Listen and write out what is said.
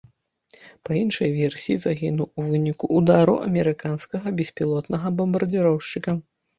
Па іншай версіі, загінуў у выніку ўдару амерыканскага беспілотнага бамбардзіроўшчыка.